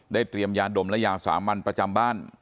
ได้เตรียมยานดมและยานสาบรรพ์ประจำบ้าน